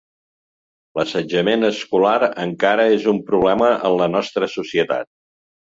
L'assetjament escolar encara és un problema en la nostra societat.